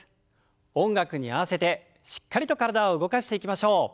音楽に合わせてしっかりと体を動かしていきましょう。